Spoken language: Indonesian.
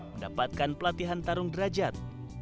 mendapatkan pelatihan tarung derajat